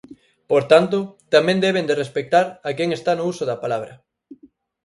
Por tanto, tamén deben de respectar a quen está no uso da palabra.